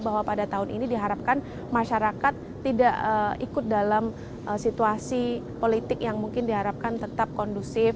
bahwa pada tahun ini diharapkan masyarakat tidak ikut dalam situasi politik yang mungkin diharapkan tetap kondusif